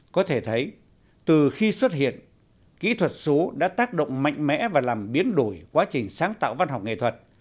có thể thấy từ khi xuất hiện kỹ thuật số đã tác động mạnh mẽ và làm biến đổi quá trình sáng tạo văn học nghệ thuật